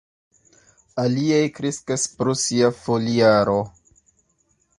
Aliaj kreskas pro sia foliaro.